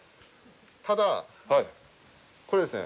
ただ、これですね